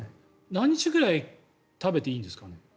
何日ぐらい食べていいんですかね。